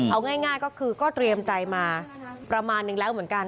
เอาง่ายก็คือก็เตรียมใจมาประมาณนึงแล้วเหมือนกัน